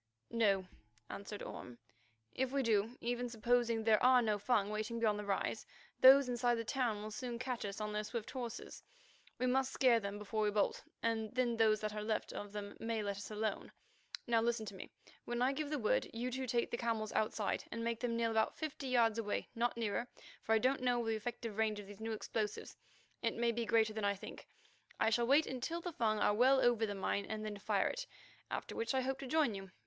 "No," answered Orme. "If we do, even supposing there are no Fung waiting beyond the rise, those inside the town will soon catch us on their swift horses. We must scare them before we bolt, and then those that are left of them may let us alone. Now listen to me. When I give the word, you two take the camels outside and make them kneel about fifty yards away, not nearer, for I don't know the effective range of these new explosives; it may be greater than I think. I shall wait until the Fung are well over the mine and then fire it, after which I hope to join you.